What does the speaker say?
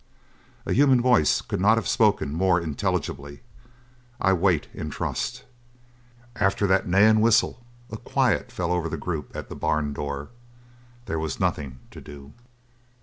A human voice could not have spoken more intelligibly: "I wait in trust!" After that neigh and whistle, a quiet fell over the group at the barn door. There was nothing to do.